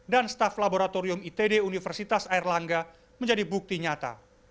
dan staff laboratorium itd universitas air langga menjadi bukti nyata